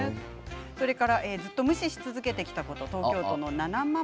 それからずっと無視し続けてきたこと、東京都の方。